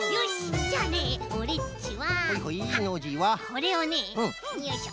これをねよいしょ。